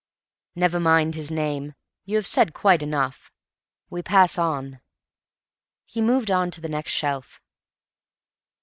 "Never mind his name. You have said quite enough. We pass on." He moved on to the next shelf.